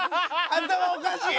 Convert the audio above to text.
頭おかしい！